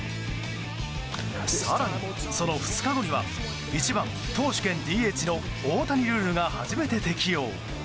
更にその２日後には１番投手兼ＤＨの大谷ルールが初めて適用。